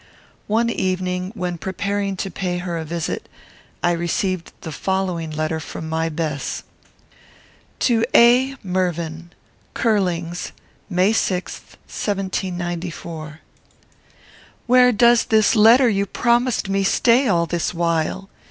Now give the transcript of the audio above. One evening, when preparing to pay her a visit, I received the following letter from my Bess: To A. Mervyn. CURLING'S, May 6, 1794. Where does this letter you promised me stay all this while?